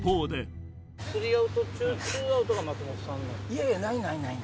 いやいやないないない。